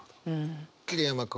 桐山君。